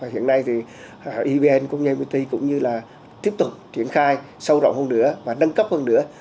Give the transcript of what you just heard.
hiện nay evn công ty cũng như là tiếp tục triển khai sâu rộng hơn nữa và nâng cấp hơn nữa